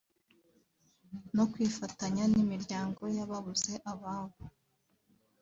no kwifatanya n’imiryango y’ababuze ababo